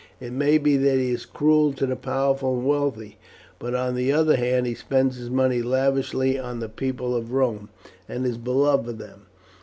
It may be that he is cruel to the powerful and wealthy, but on the other hand he spends his money lavishly on the people of Rome, and is beloved by them.